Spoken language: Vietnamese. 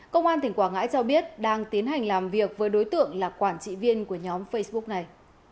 công an tỉnh quảng ngãi cho biết đang tiến hành làm việc với đối tượng là quản trị viên của nhóm facebook này